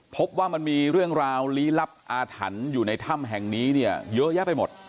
พบว่ามันมีเรื่องราวลี้ลับอาถรรพ์อยู่ในถ้ำแห่งนี้เนี่ยเยอะแยะไปหมด